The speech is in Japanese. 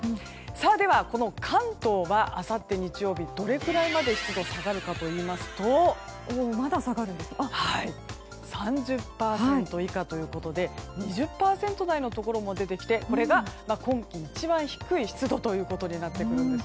では、関東はあさって日曜日どのくらいまで湿度が下がるかといいますと３０％以下ということで２０％台のところも出てきてこれが今季一番低い湿度ということになってくるんです。